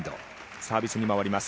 サービスに回ります。